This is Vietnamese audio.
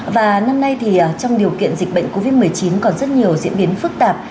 và năm nay thì trong điều kiện dịch bệnh covid một mươi chín còn rất nhiều diễn biến phức tạp